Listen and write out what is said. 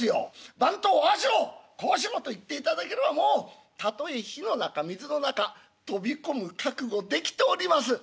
『番頭ああしろこうしろ』と言っていただければもうたとえ火の中水の中飛び込む覚悟できております」。